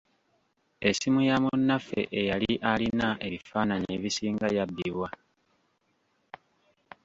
Essimu ya munnaffe eyali alina ebifaananyi ebisinga yabbibwa.